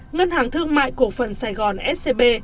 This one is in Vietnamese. ngân hàng thương mại cổ phần sài gòn scb